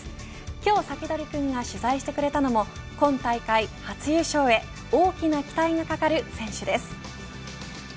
今日、サキドリくんが取材してくれたのも今大会初優勝へ大きな期待がかかる選手です。